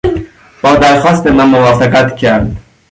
با درخواست من موافقت کرد.